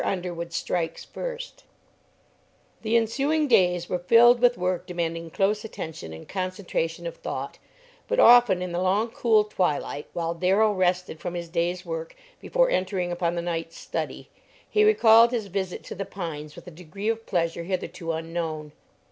UNDERWOOD "STRIKES" FIRST The ensuing days were filled with work demanding close attention and concentration of thought, but often in the long, cool twilight, while Darrell rested from his day's work before entering upon the night's study, he recalled his visit to The Pines with a degree of pleasure hitherto unknown.